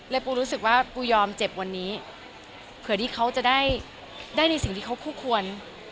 ปูรู้สึกว่าปูยอมเจ็บวันนี้เผื่อที่เขาจะได้ได้ในสิ่งที่เขาคู่ควร